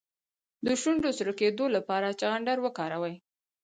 د شونډو د سره کیدو لپاره چغندر وکاروئ